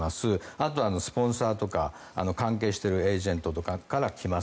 あとはスポンサーとか関係しているエージェントとかから来ます。